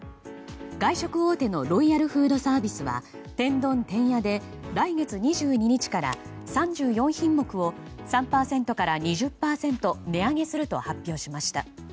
外食大手のロイヤルフードサービスは天丼てんやで来月２２日から３４品目を３％から２０％値上げすると発表しました。